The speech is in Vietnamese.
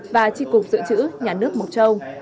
và tri cục dự trữ nhà nước mộc châu